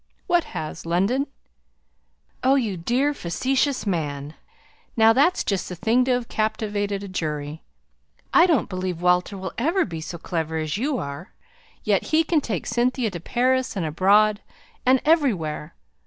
"What has London?" "Oh, you dear, facetious man. Now that's just the thing to have captivated a jury. I don't believe Walter will ever be so clever as you are. Yet he can take Cynthia to Paris, and abroad, and everywhere.